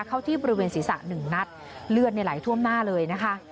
เข้าที่บริเวณศีรษะหนึ่งนัดเลือดในไหลท่วมหน้าเลยนะคะ